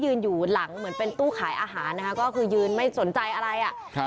อยู่หลังเหมือนเป็นตู้ขายอาหารนะคะก็คือยืนไม่สนใจอะไรอ่ะครับ